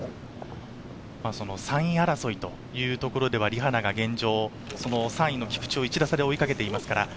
３位争いというところではリ・ハナが現状、３位の菊地を１打差で追いかけています。